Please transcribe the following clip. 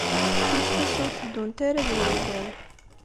Tikta-s ur teddunt ara d wayla-w.